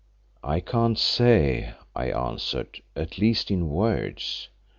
"I can't say," I answered, "at least in words.